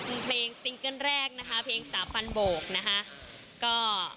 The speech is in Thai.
มีเพลงซิงเกิลแรกนะคะเพลงสาวพันธุ์โบกนะคะ